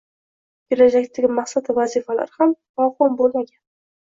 Kelajakdagi maqsad va vazifalar ham mavhum bo’lmagan.